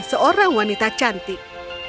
seorang wanita cantik